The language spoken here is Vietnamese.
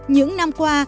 những năm qua